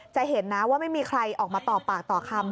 จะเห็นนะว่าไม่มีใครออกมาต่อปากต่อคำ